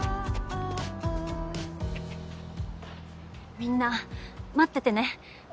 みんな待っててね。